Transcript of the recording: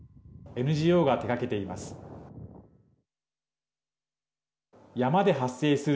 ＮＧＯが手がけています。